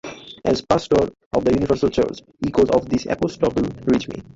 As Pastor of the universal Church, echoes of this apostolate reach me.